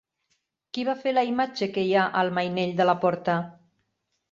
Qui va fer la imatge que hi ha al mainell de la porta?